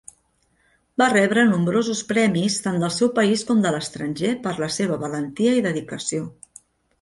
Va rebre nombrosos premis tant del seu país com de l'estranger per la seva valentia i dedicació.